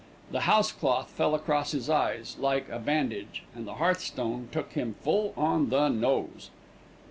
The house cloth fell across his eyes, like a bandage, and the hearthstone took him full on the nose.